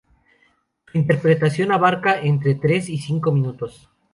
Su interpretación abarca entre tres y cinco minutos.